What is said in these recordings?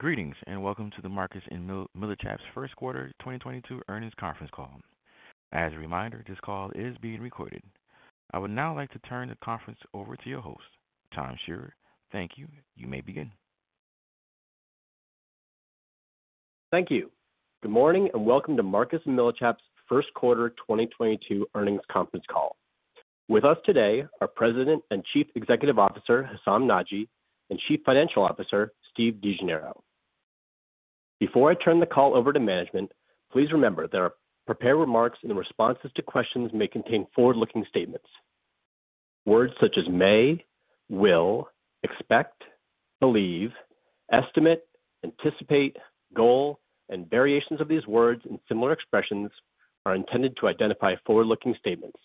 Greetings, and welcome to the Marcus & Millichap's first quarter 2022 earnings conference call. As a reminder, this call is being recorded. I would now like to turn the conference over to your host, Tom Shearer. Thank you. You may begin. Thank you. Good morning, and welcome to Marcus & Millichap's first quarter 2022 earnings conference call. With us today are President and Chief Executive Officer, Hessam Nadji, and Chief Financial Officer, Steve DeGennaro. Before I turn the call over to management, please remember their prepared remarks in responses to questions may contain forward-looking statements. Words such as may, will, expect, believe, estimate, anticipate, goal, and variations of these words and similar expressions are intended to identify forward-looking statements.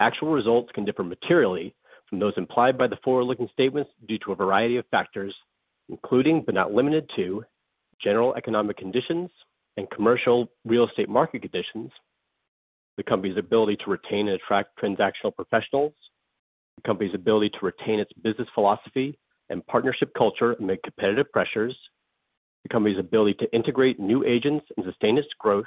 Actual results can differ materially from those implied by the forward-looking statements due to a variety of factors, including, but not limited to, general economic conditions and commercial real estate market conditions, the company's ability to retain and attract transactional professionals, the company's ability to retain its business philosophy and partnership culture amid competitive pressures, the company's ability to integrate new agents and sustain its growth,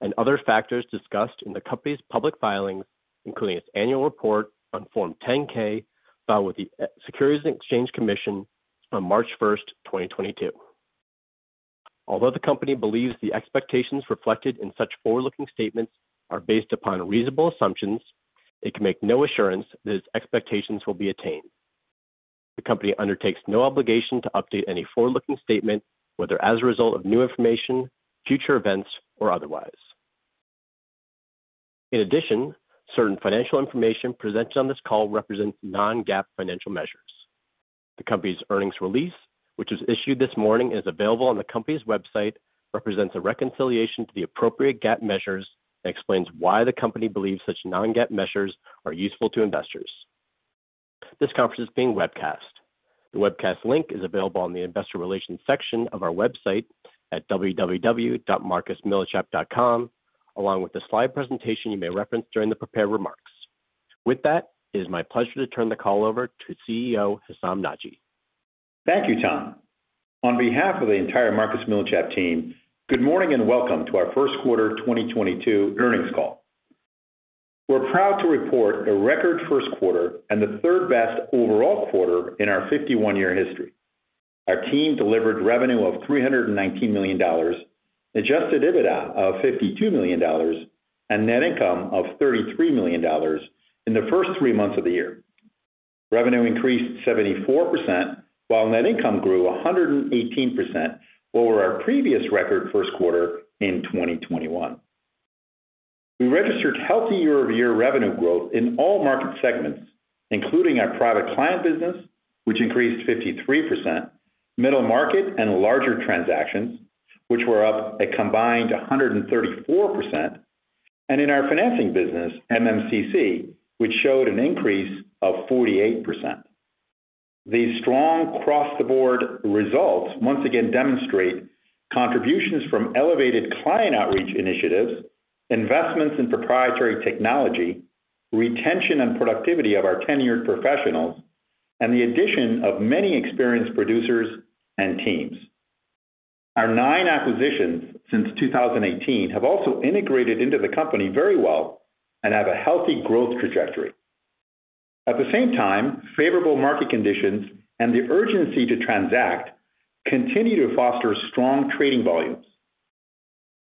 and other factors discussed in the company's public filings, including its annual report on Form 10-K filed with the Securities and Exchange Commission on March 1, 2022. Although the company believes the expectations reflected in such forward-looking statements are based upon reasonable assumptions, it can make no assurance that its expectations will be attained. The company undertakes no obligation to update any forward-looking statement, whether as a result of new information, future events, or otherwise. In addition, certain financial information presented on this call represent non-GAAP financial measures. The company's earnings release, which was issued this morning and is available on the company's website, represents a reconciliation to the appropriate GAAP measures and explains why the company believes such non-GAAP measures are useful to investors. This conference is being webcast. The webcast link is available on the Investor Relations section of our website at www.marcusmillichap.com, along with the slide presentation you may reference during the prepared remarks. With that, it is my pleasure to turn the call over to CEO, Hessam Nadji. Thank you, Tom. On behalf of the entire Marcus & Millichap team, good morning and welcome to our first quarter 2022 earnings call. We're proud to report a record first quarter and the third-best overall quarter in our 51-year history. Our team delivered revenue of $319 million, adjusted EBITDA of $52 million, and net income of $33 million in the first three months of the year. Revenue increased 74%, while net income grew 118% over our previous record first quarter in 2021. We registered healthy year-over-year revenue growth in all market segments, including our private client business, which increased 53%, middle market and larger transactions, which were up a combined 134%, and in our financing business, MMCC, which showed an increase of 48%. These strong across-the-board results once again demonstrate contributions from elevated client outreach initiatives, investments in proprietary technology, retention and productivity of our tenured professionals, and the addition of many experienced producers and teams. Our nine acquisitions since 2018 have also integrated into the company very well and have a healthy growth trajectory. At the same time, favorable market conditions and the urgency to transact continue to foster strong trading volumes.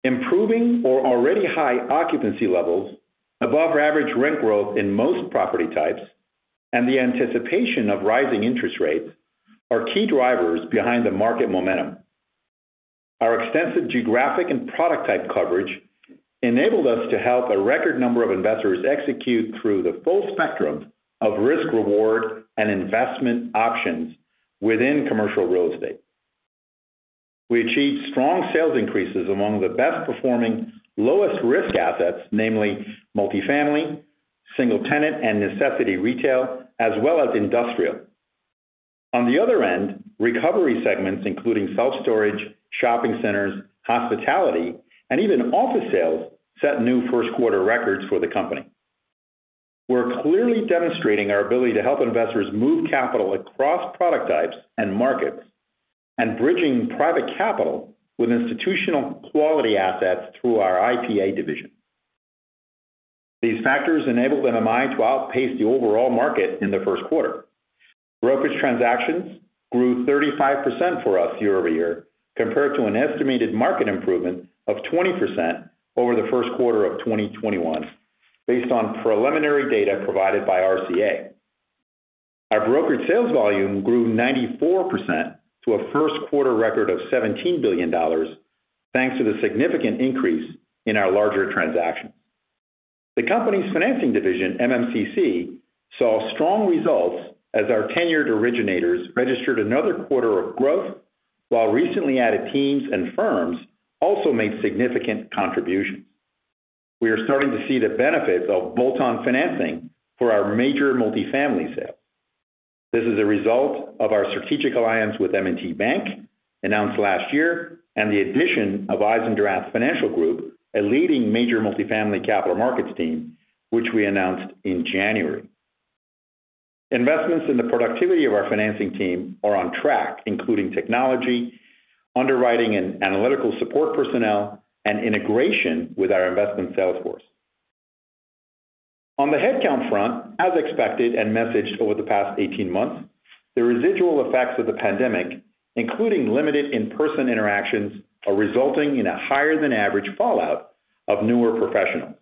Improving or already high occupancy levels above average rent growth in most property types and the anticipation of rising interest rates are key drivers behind the market momentum. Our extensive geographic and product type coverage enabled us to help a record number of investors execute through the full spectrum of risk-reward and investment options within commercial real estate. We achieved strong sales increases among the best performing lowest risk assets, namely multifamily, single tenant, and necessity retail, as well as industrial. On the other end, recovery segments including self-storage, shopping centers, hospitality, and even office sales set new first quarter records for the company. We're clearly demonstrating our ability to help investors move capital across product types and markets and bridging private capital with institutional quality assets through our IPA division. These factors enabled MMI to outpace the overall market in the first quarter. Brokerage transactions grew 35% for us year-over-year compared to an estimated market improvement of 20% over the first quarter of 2021 based on preliminary data provided by RCA. Our brokered sales volume grew 94% to a first quarter record of $17 billion, thanks to the significant increase in our larger transactions. The company's financing division, MMCC, saw strong results as our tenured originators registered another quarter of growth, while recently added teams and firms also made significant contributions. We are starting to see the benefits of bolt-on financing for our major multifamily sale. This is a result of our strategic alliance with M&T Bank announced last year and the addition of Eisendrath Finance Group, a leading major multifamily capital markets team, which we announced in January. Investments in the productivity of our financing team are on track, including technology, underwriting and analytical support personnel, and integration with our investment sales force. On the headcount front, as expected and messaged over the past 18 months, the residual effects of the pandemic, including limited in-person interactions, are resulting in a higher than average fallout of newer professionals.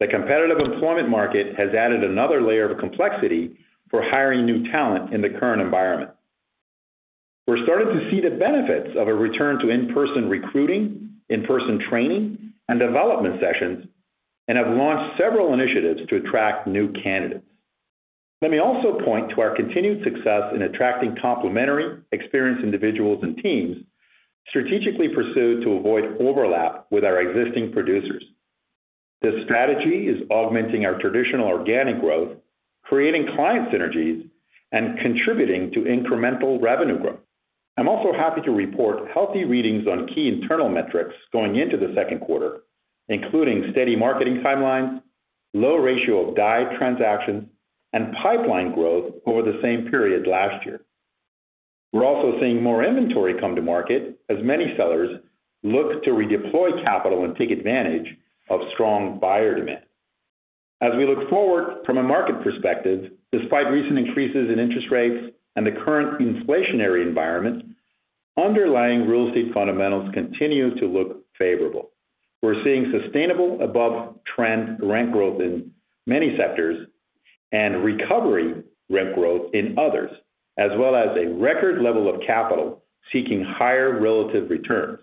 The competitive employment market has added another layer of complexity for hiring new talent in the current environment. We're starting to see the benefits of a return to in-person recruiting, in-person training, and development sessions, and have launched several initiatives to attract new candidates. Let me also point to our continued success in attracting complementary experienced individuals and teams strategically pursued to avoid overlap with our existing producers. This strategy is augmenting our traditional organic growth, creating client synergies, and contributing to incremental revenue growth. I'm also happy to report healthy readings on key internal metrics going into the second quarter, including steady marketing timelines, low ratio of dead transactions, and pipeline growth over the same period last year. We're also seeing more inventory come to market as many sellers look to redeploy capital and take advantage of strong buyer demand. As we look forward from a market perspective, despite recent increases in interest rates and the current inflationary environment, underlying real estate fundamentals continue to look favorable. We're seeing sustainable above-trend rent growth in many sectors and recovery rent growth in others, as well as a record level of capital seeking higher relative returns.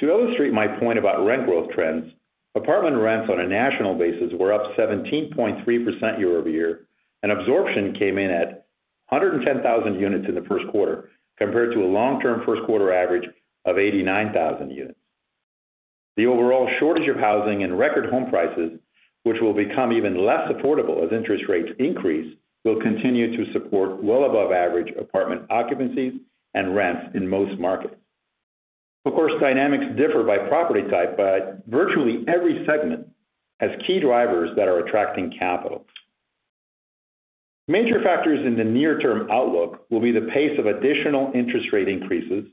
To illustrate my point about rent growth trends, apartment rents on a national basis were up 17.3% year-over-year, and absorption came in at 110,000 units in the first quarter compared to a long-term first quarter average of 89,000 units. The overall shortage of housing and record home prices, which will become even less affordable as interest rates increase, will continue to support well above average apartment occupancies and rents in most markets. Of course, dynamics differ by property type, but virtually every segment has key drivers that are attracting capital. Major factors in the near term outlook will be the pace of additional interest rate increases,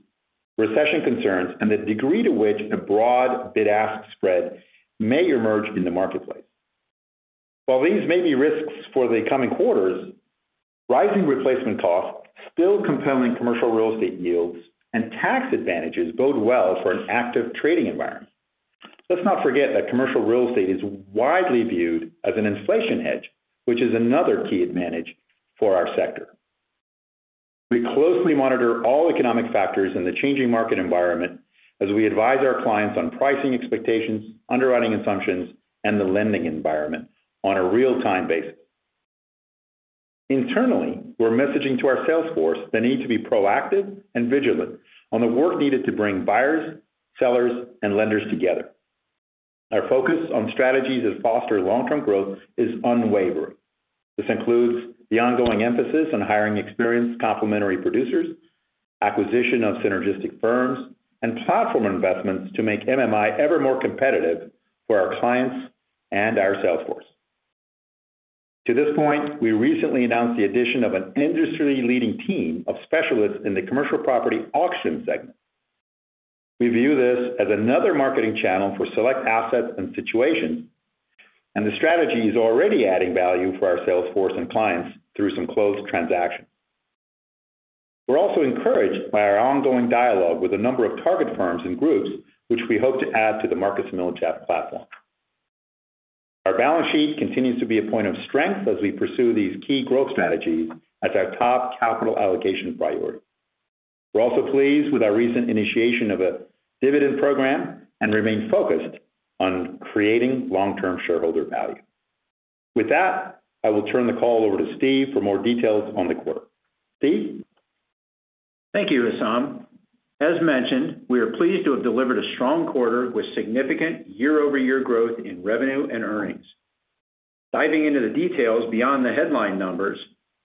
recession concerns, and the degree to which a broad bid-ask spread may emerge in the marketplace. While these may be risks for the coming quarters, rising replacement costs still compelling commercial real estate yields and tax advantages bode well for an active trading environment. Let's not forget that commercial real estate is widely viewed as an inflation hedge, which is another key advantage for our sector. We closely monitor all economic factors in the changing market environment as we advise our clients on pricing expectations, underwriting assumptions, and the lending environment on a real-time basis. Internally, we're messaging to our sales force the need to be proactive and vigilant on the work needed to bring buyers, sellers, and lenders together. Our focus on strategies that foster long-term growth is unwavering. This includes the ongoing emphasis on hiring experienced complementary producers, acquisition of synergistic firms, and platform investments to make MMI ever more competitive for our clients and our sales force. To this point, we recently announced the addition of an industry-leading team of specialists in the commercial property auction segment. We view this as another marketing channel for select assets and situations, and the strategy is already adding value for our sales force and clients through some closed transactions. We're also encouraged by our ongoing dialogue with a number of target firms and groups which we hope to add to the Marcus & Millichap platform. Our balance sheet continues to be a point of strength as we pursue these key growth strategies as our top capital allocation priority. We're also pleased with our recent initiation of a dividend program and remain focused on creating long-term shareholder value. With that, I will turn the call over to Steve for more details on the quarter. Steve? Thank you, Hessam. As mentioned, we are pleased to have delivered a strong quarter with significant year-over-year growth in revenue and earnings. Diving into the details beyond the headline numbers,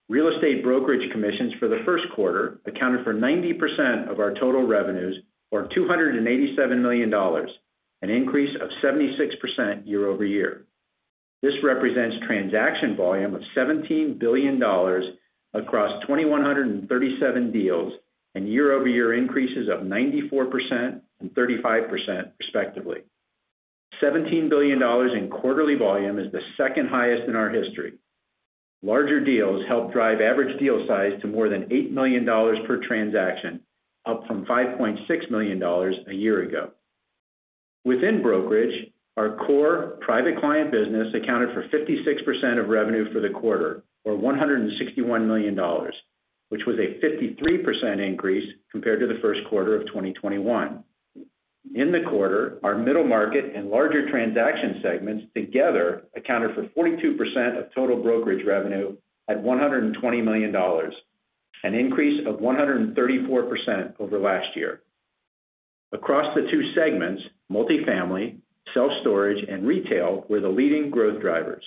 real estate brokerage commissions for the first quarter accounted for 90% of our total revenues, or $287 million, an increase of 76% year-over-year. This represents transaction volume of $17 billion across 2,137 deals, and year-over-year increases of 94% and 35% respectively. Seventeen billion dollars in quarterly volume is the second highest in our history. Larger deals help drive average deal size to more than $8 million per transaction, up from $5.6 million a year ago. Within brokerage, our core private client business accounted for 56% of revenue for the quarter, or $161 million, which was a 53% increase compared to the first quarter of 2021. In the quarter, our middle market and larger transaction segments together accounted for 42% of total brokerage revenue at $120 million, an increase of 134% over last year. Across the two segments, multifamily, self-storage, and retail were the leading growth drivers.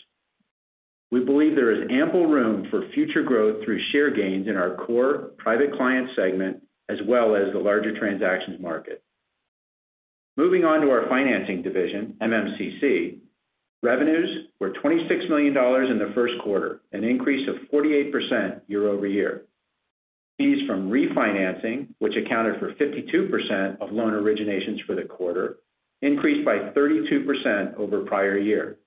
We believe there is ample room for future growth through share gains in our core private client segment, as well as the larger transactions market. Moving on to our financing division, MMCC, revenues were $26 million in the first quarter, an increase of 48% year-over-year. Fees from refinancing, which accounted for 52% of loan originations for the quarter, increased by 32% over prior year.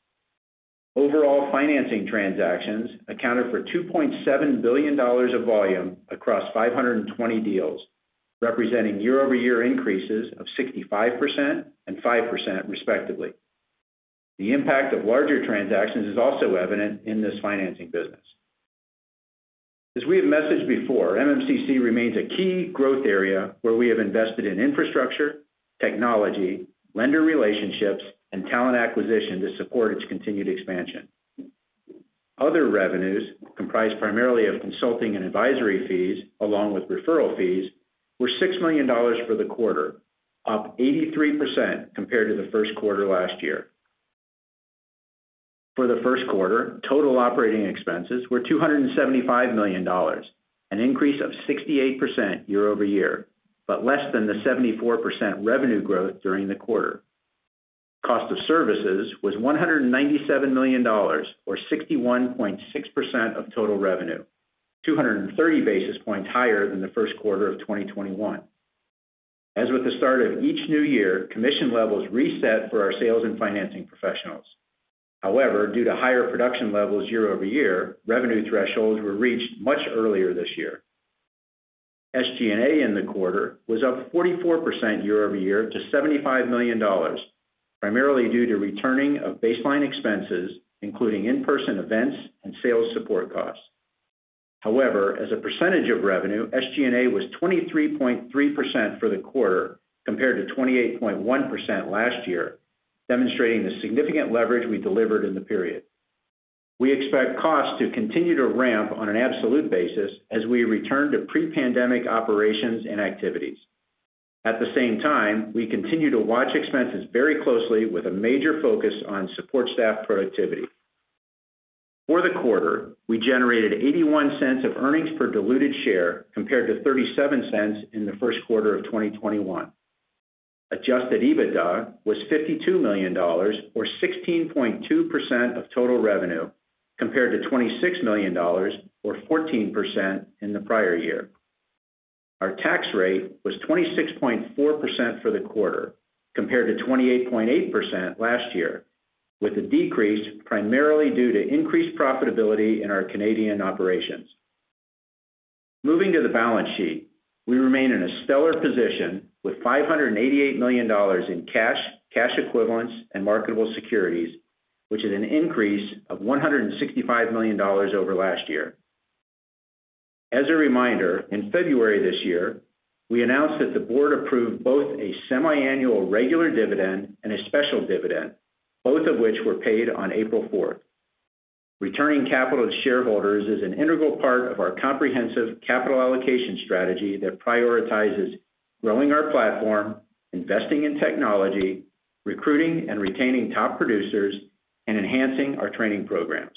Overall financing transactions accounted for $2.7 billion of volume across 520 deals, representing year-over-year increases of 65% and 5% respectively. The impact of larger transactions is also evident in this financing business. As we have messaged before, MMCC remains a key growth area where we have invested in infrastructure, technology, lender relationships and talent acquisition to support its continued expansion. Other revenues, comprised primarily of consulting and advisory fees along with referral fees, were $6 million for the quarter, up 83% compared to the first quarter last year. For the first quarter, total operating expenses were $275 million, an increase of 68% year-over-year, but less than the 74% revenue growth during the quarter. Cost of services was $197 million, or 61.6% of total revenue, 230 basis points higher than the first quarter of 2021. As with the start of each new year, commission levels reset for our sales and financing professionals. However, due to higher production levels year-over-year, revenue thresholds were reached much earlier this year. SG&A in the quarter was up 44% year-over-year to $75 million, primarily due to returning of baseline expenses, including in-person events and sales support costs. However, as a percentage of revenue, SG&A was 23.3% for the quarter compared to 28.1% last year, demonstrating the significant leverage we delivered in the period. We expect costs to continue to ramp on an absolute basis as we return to pre-pandemic operations and activities. At the same time, we continue to watch expenses very closely with a major focus on support staff productivity. For the quarter, we generated $0.81 of earnings per diluted share compared to $0.37 in the first quarter of 2021. Adjusted EBITDA was $52 million, or 16.2% of total revenue, compared to $26 million, or 14% in the prior year. Our tax rate was 26.4% for the quarter compared to 28.8% last year, with the decrease primarily due to increased profitability in our Canadian operations. Moving to the balance sheet, we remain in a stellar position with $588 million in cash equivalents and marketable securities, which is an increase of $165 million over last year. As a reminder, in February this year, we announced that the board approved both a semiannual regular dividend and a special dividend, both of which were paid on April 4. Returning capital to shareholders is an integral part of our comprehensive capital allocation strategy that prioritizes growing our platform, investing in technology, recruiting and retaining top producers, and enhancing our training programs.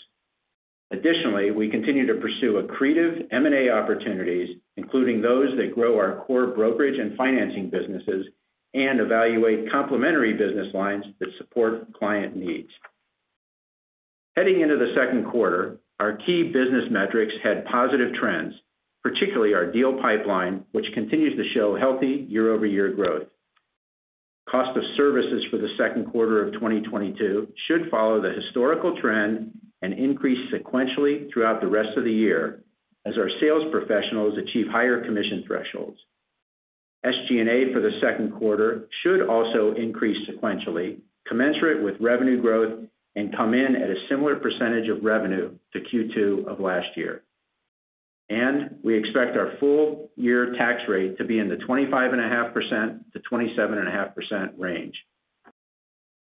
Additionally, we continue to pursue accretive M&A opportunities, including those that grow our core brokerage and financing businesses and evaluate complementary business lines that support client needs. Heading into the second quarter, our key business metrics had positive trends, particularly our deal pipeline, which continues to show healthy year-over-year growth. Cost of services for the second quarter of 2022 should follow the historical trend and increase sequentially throughout the rest of the year as our sales professionals achieve higher commission thresholds. SG&A for the second quarter should also increase sequentially, commensurate with revenue growth and come in at a similar percentage of revenue to Q2 of last year. We expect our full year tax rate to be in the 25.5%-27.5% range.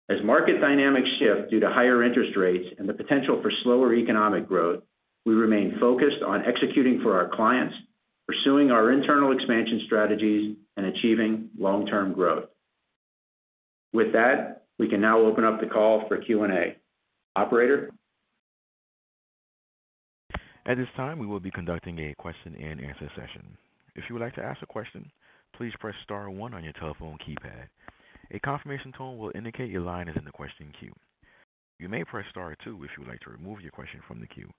As market dynamics shift due to higher interest rates and the potential for slower economic growth, we remain focused on executing for our clients, pursuing our internal expansion strategies, and achieving long-term growth. With that, we can now open up the call for Q&A. Operator? At this time, we will be conducting a question and answer session. If you would like to ask a question, please press star one on your telephone keypad. A confirmation tone will indicate your line is in the question queue. You may press star two if you would like to remove your question from the queue.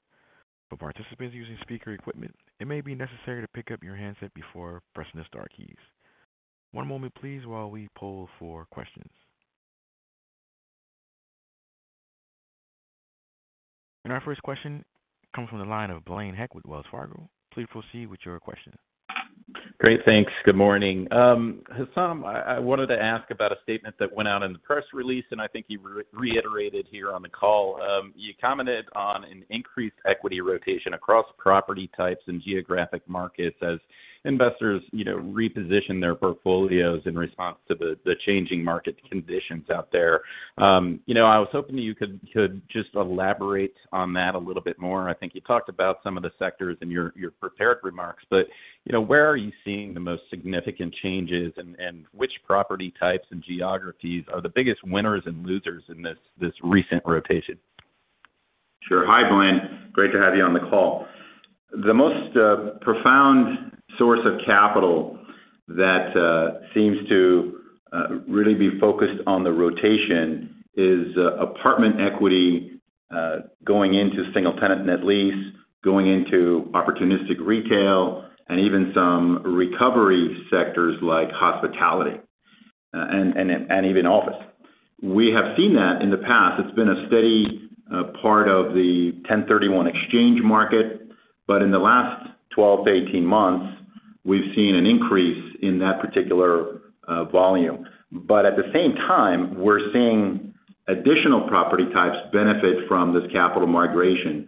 For participants using speaker equipment, it may be necessary to pick up your handset before pressing the star keys. One moment please while we poll for questions. Our first question comes from the line of Blaine Heck with Wells Fargo. Please proceed with your question. Great, thanks. Good morning. Hessam, I wanted to ask about a statement that went out in the press release, and I think you reiterated here on the call. You commented on an increased equity rotation across property types and geographic markets as investors, you know, reposition their portfolios in response to the changing market conditions out there. You know, I was hoping you could just elaborate on that a little bit more. I think you talked about some of the sectors in your prepared remarks, but you know, where are you seeing the most significant changes and which property types and geographies are the biggest winners and losers in this recent rotation? Sure. Hi, Blaine. Great to have you on the call. The most profound source of capital that seems to really be focused on the rotation is apartment equity going into single tenant net lease, going into opportunistic retail, and even some recovery sectors like hospitality, and even office. We have seen that in the past. It's been a steady part of the 1031 exchange market, but in the last 12-18 months, we've seen an increase in that particular volume. At the same time, we're seeing additional property types benefit from this capital migration.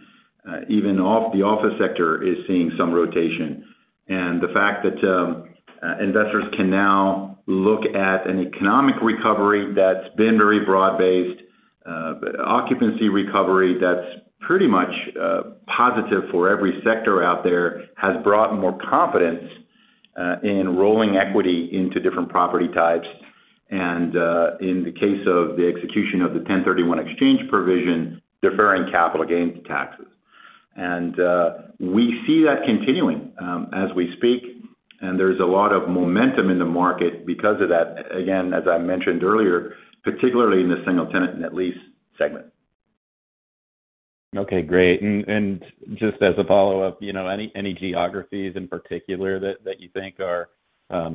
Even the office sector is seeing some rotation. The fact that investors can now look at an economic recovery that's been very broad-based, occupancy recovery that's pretty much positive for every sector out there, has brought more confidence in rolling equity into different property types, and in the case of the execution of the 1031 exchange provision, deferring capital gains taxes. We see that continuing as we speak, and there's a lot of momentum in the market because of that, again, as I mentioned earlier, particularly in the single tenant net lease segment. Okay, great. Just as a follow-up, you know, any geographies in particular that you think are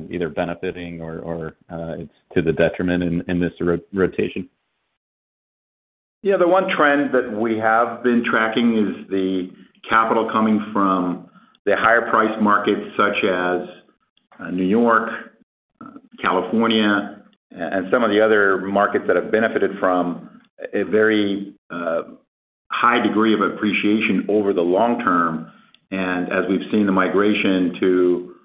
either benefiting or it's to the detriment in this rotation? Yeah. The one trend that we have been tracking is the capital coming from the higher priced markets such as, New York, California, and some of the other markets that have benefited from a very, high degree of appreciation over the long term. As we've seen the migration to,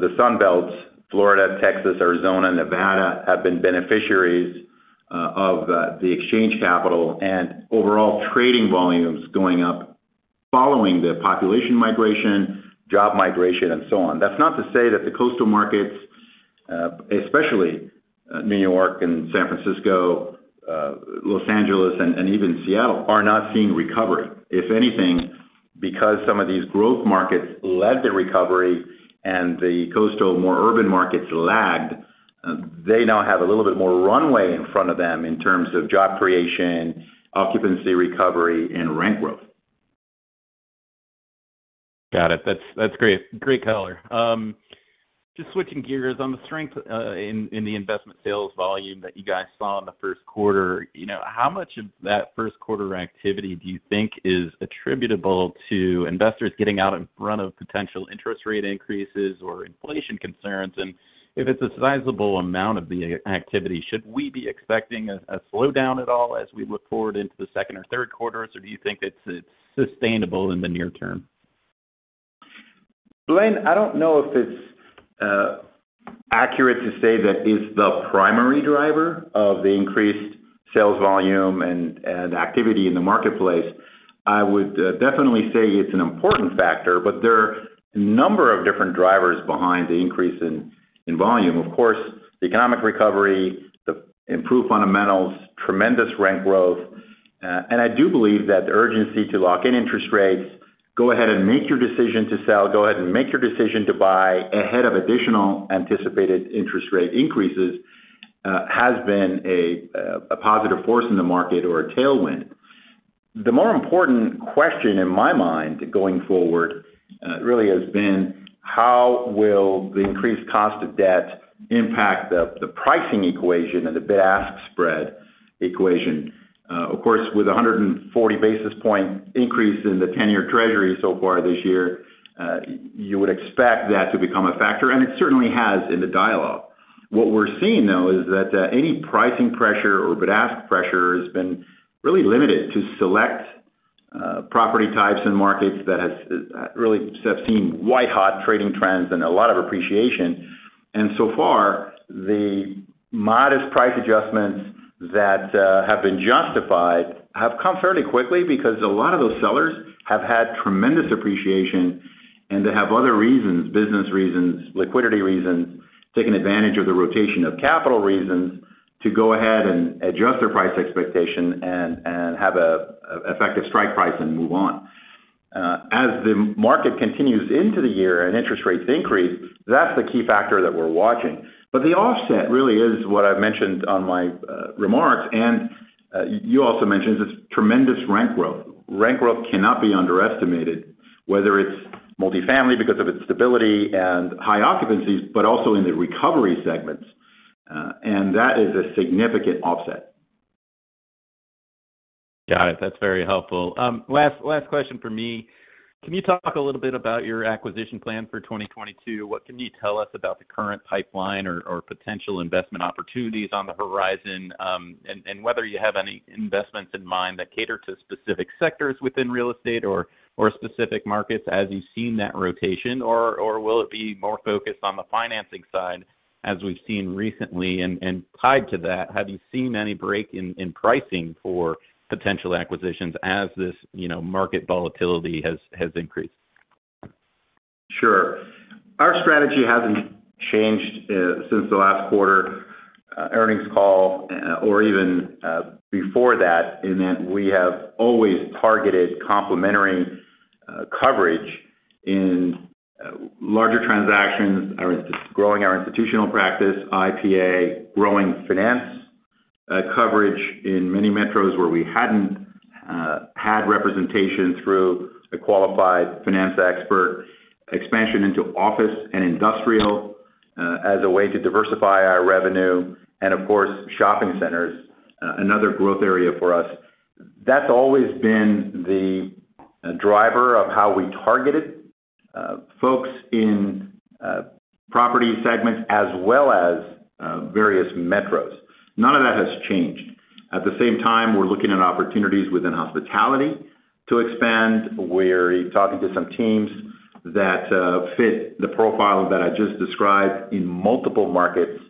the Sun Belt, Florida, Texas, Arizona, Nevada have been beneficiaries of the exchange capital and overall trading volumes going up following the population migration, job migration, and so on. That's not to say that the coastal markets, especially, New York and San Francisco, Los Angeles and even Seattle are not seeing recovery. If anything, because some of these growth markets led the recovery and the coastal more urban markets lagged, they now have a little bit more runway in front of them in terms of job creation, occupancy recovery, and rent growth. Got it. That's great. Great color. Just switching gears. On the strength in the investment sales volume that you guys saw in the first quarter, you know, how much of that first quarter activity do you think is attributable to investors getting out in front of potential interest rate increases or inflation concerns? If it's a sizable amount of the activity, should we be expecting a slowdown at all as we look forward into the second or third quarters, or do you think it's sustainable in the near term? Blaine, I don't know if it's accurate to say that it's the primary driver of the increased sales volume and activity in the marketplace. I would definitely say it's an important factor, but there are a number of different drivers behind the increase in volume. Of course, the economic recovery, the improved fundamentals, tremendous rent growth. I do believe that the urgency to lock in interest rates, go ahead and make your decision to sell, go ahead and make your decision to buy ahead of additional anticipated interest rate increases has been a positive force in the market or a tailwind. The more important question in my mind going forward really has been how will the increased cost of debt impact the pricing equation and the bid-ask spread equation? Of course, with a 140 basis point increase in the 10-year Treasury so far this year, you would expect that to become a factor, and it certainly has in the dialogue. What we're seeing, though, is that any pricing pressure or bid-ask pressure has been really limited to select property types and markets that have really seen white-hot trading trends and a lot of appreciation. Far, the modest price adjustments that have been justified have come fairly quickly because a lot of those sellers have had tremendous appreciation and have other reasons, business reasons, liquidity reasons, taken advantage of the rotation of capital reasons to go ahead and adjust their price expectation and have an effective strike price and move on. As the market continues into the year and interest rates increase, that's the key factor that we're watching. The offset really is what I've mentioned on my remarks, and you also mentioned, is this tremendous rent growth. Rent growth cannot be underestimated, whether it's multifamily because of its stability and high occupancies, but also in the recovery segments. That is a significant offset. Got it. That's very helpful. Last question from me. Can you talk a little bit about your acquisition plan for 2022? What can you tell us about the current pipeline or potential investment opportunities on the horizon? And whether you have any investments in mind that cater to specific sectors within real estate or specific markets as you've seen that rotation, or will it be more focused on the financing side as we've seen recently? Tied to that, have you seen any break in pricing for potential acquisitions as this, you know, market volatility has increased? Sure. Our strategy hasn't changed since the last quarter earnings call or even before that in that we have always targeted complementary coverage in larger transactions or growing our institutional practice, IPA, growing finance coverage in many metros where we hadn't had representation through a qualified finance expert, expansion into office and industrial as a way to diversify our revenue and of course shopping centers another growth area for us. That's always been the driver of how we targeted folks in property segments as well as various metros. None of that has changed. At the same time, we're looking at opportunities within hospitality to expand. We're talking to some teams that fit the profile that I just described in multiple markets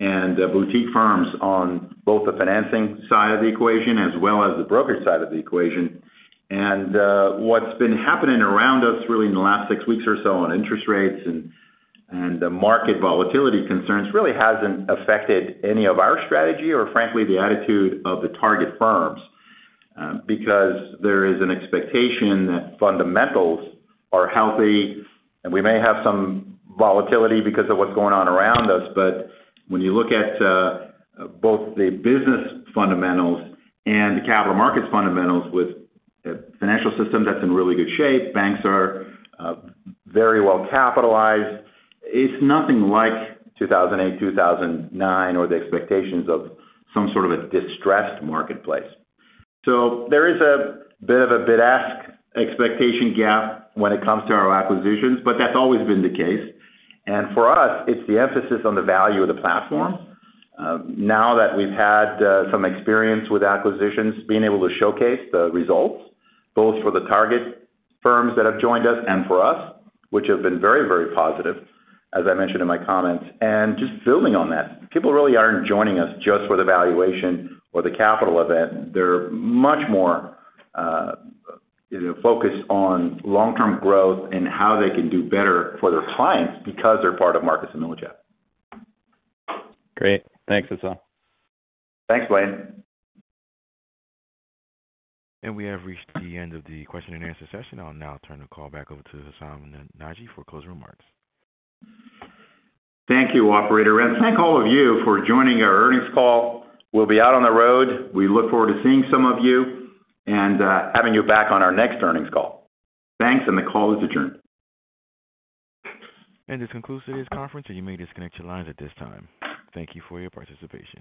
and boutique firms on both the financing side of the equation as well as the broker side of the equation. What's been happening around us really in the last 6 weeks or so on interest rates and the market volatility concerns really hasn't affected any of our strategy or frankly, the attitude of the target firms because there is an expectation that fundamentals are healthy, and we may have some volatility because of what's going on around us. When you look at both the business fundamentals and the capital markets fundamentals with a financial system that's in really good shape, banks are very well capitalized. It's nothing like 2008, 2009 or the expectations of some sort of a distressed marketplace. There is a bit of a bid-ask expectation gap when it comes to our acquisitions, but that's always been the case. For us, it's the emphasis on the value of the platform. Now that we've had some experience with acquisitions, being able to showcase the results both for the target firms that have joined us and for us, which have been very, very positive, as I mentioned in my comments, and just building on that. People really aren't joining us just for the valuation or the capital event. They're much more focused on long-term growth and how they can do better for their clients because they're part of Marcus & Millichap. Great. Thanks, Hessam. Thanks, Blaine. We have reached the end of the question and answer session. I'll now turn the call back over to Hessam Nadji for closing remarks. Thank you, operator, and thank all of you for joining our earnings call. We'll be out on the road. We look forward to seeing some of you and, having you back on our next earnings call. Thanks, and the call is adjourned. This concludes today's conference, and you may disconnect your lines at this time. Thank you for your participation.